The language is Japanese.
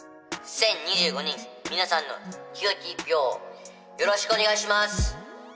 １０２５人みなさんの清き１票をよろしくお願いします。